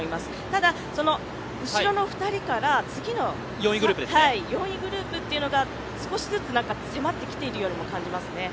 ただ、後ろの２人から次の４位グループが少しずつ迫ってきているようにも感じますね。